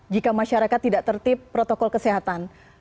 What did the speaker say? jika masyarakat tidak tertip protokol kesehatan